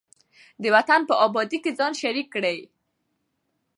د وطن په ابادۍ کې ځان شریک کړئ.